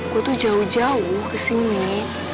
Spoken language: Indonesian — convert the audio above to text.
gue tuh jauh jauh kesini